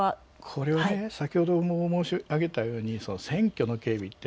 これは先ほども申し上げたように選挙の警備って